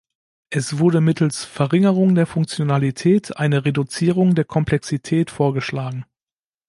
Es wurde mittels Verringerung der Funktionalität eine Reduzierung der Komplexität vorgeschlagen.